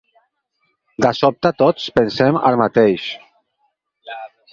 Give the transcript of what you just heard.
De sobte, tots pensem el mateix.